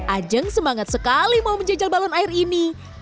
ajeng semangat sekali mau menjajal balon air ini